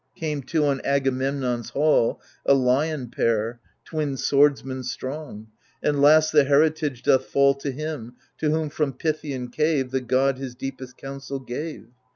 Came, too, on Agamemnon's hall A lion pair, twin swordsmen strong. And last, the heritage doth fall To him, to whom from Pythian cave The god his deepest counsel gave.